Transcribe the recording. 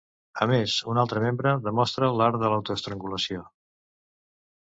A més, un altre membre demostra l'art d'autoestrangulació.